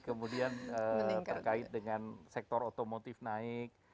kemudian terkait dengan sektor otomotif naik